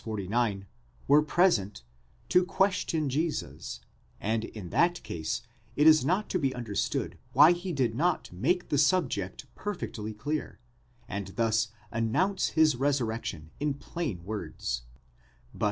49, were present, to question Jesus, and in that case it is not to be understood why he did not make the subject perfectly clear, and thus announce his resurrection in plain *2 Comp.